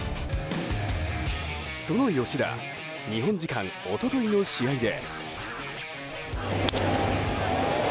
その吉田日本時間一昨日の試合で。